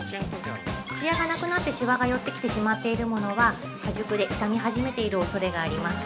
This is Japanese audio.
◆つやがなくなって、しわが寄ってきてしまっているものは、過熟で、傷み始めている恐れがあります。